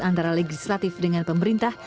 antara legislatif dengan pemerintah